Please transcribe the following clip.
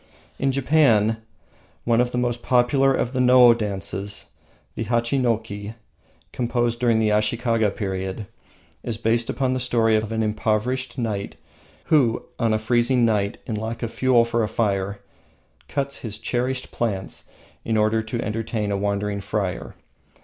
In Japan, one of the most popular of the No dances, the Hachinoki, composed during the Ashikaga period, is based upon the story of an impoverished knight, who, on a freezing night, in lack of fuel for a fire, cuts his cherished plants in order to entertain a wandering friar.